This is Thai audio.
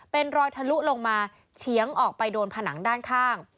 เป็นรอยทะลุลงมาเฉียงออกไปโดนผนังด้านข้าง